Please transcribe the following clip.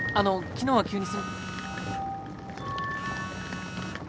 昨日は急に。